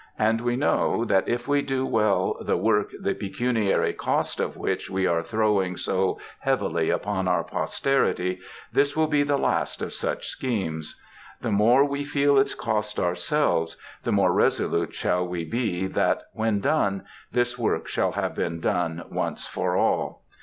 And we know that if we do well the work the pecuniary cost of which we are throwing so heavily upon our posterity, this will be the last of such schemes. The more we feel its cost ourselves, the more resolute shall we be that, when done, this work shall have been done once for all.